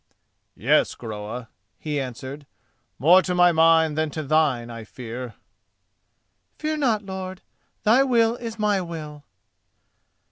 "Yes, Groa," he answered, "more to my mind than to thine I fear." "Fear not, lord; thy will is my will."